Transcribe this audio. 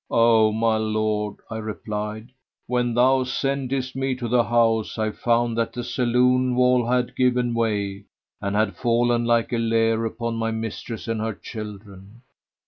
"O my lord," I replied, "when thou sentest me to the house, I found that the saloon wall had given way and had fallen like a layer upon my mistress and her children!"